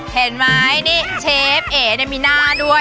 เห็นมั้ยนี่เชฟแอ๋เนี่ยมีหน้าด้วย